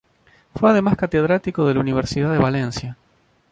Fue además catedrático de la Universidad de Valencia.